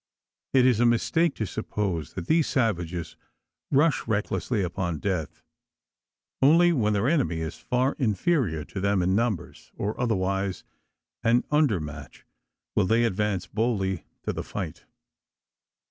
It is a mistake to suppose that these savages rush recklessly upon death. Only when their enemy is far inferior to them in numbers or otherwise an under match will they advance boldly to the fight.